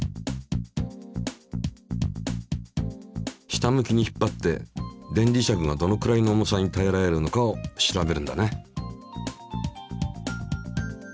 下向きに引っ張って電磁石がどのくらいの重さにたえられるのかを調べるんだね。